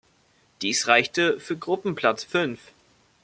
Dies reichte für Gruppenplatz fünf.